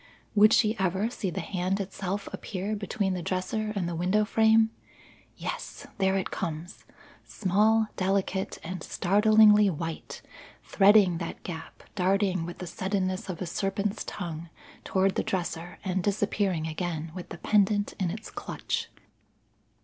Would she ever see the hand itself appear between the dresser and the window frame? Yes, there it comes, small, delicate, and startlingly white, threading that gap darting with the suddenness of a serpent's tongue toward the dresser and disappearing again with the pendant in its clutch.